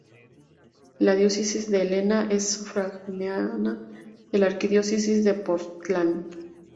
La Diócesis de Helena es sufragánea de la Arquidiócesis de Portland.